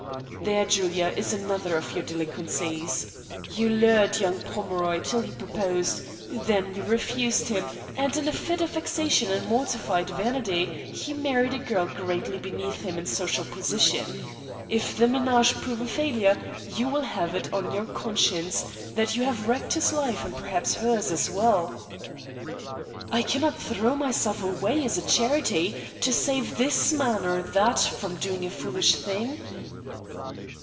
"There, Julia, is another of your delinquencies. You lured on young Pomeroy till he proposed, then you refused him, and in a fit of vexation and mortified vanity he married a girl greatly beneath him in social position. If the ménage prove a failure you will have it on your conscience that you have wrecked his life and perhaps hers as well." "I cannot throw myself away as a charity to save this man or that from doing a foolish thing."